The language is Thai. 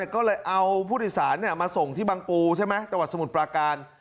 ก็เลยเอาผู้โดยสารมาส่งที่บังปูใช่ไหมจังหวัดสมุทรปราการ